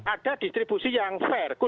ada distribusi yang fair